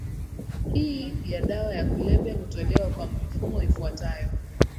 hii ya dawa ya kulevya hutolewa kwa mifumo ifuatayo